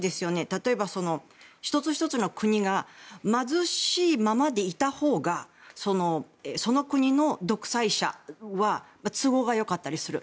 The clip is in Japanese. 例えば、１つ１つの国が貧しいままでいたほうがその国の独裁者は都合がよかったりする。